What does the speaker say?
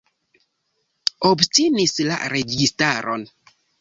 Obstinis la registaro.